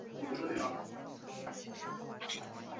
这是汤宝如首次一年内推出两张全新粤语专辑。